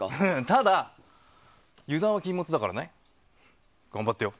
ただ、油断は禁物だからね。頑張ってよ。